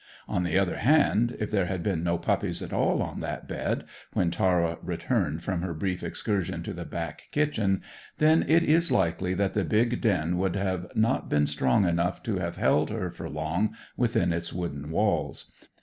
On the other hand, if there had been no puppies at all on that bed, when Tara returned from her brief excursion to the back kitchen, then it is likely that the big den would not have been strong enough to have held her for long within its wooden walls.